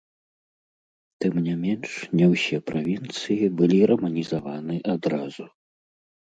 Тым не менш не ўсе правінцыі былі раманізаваны адразу.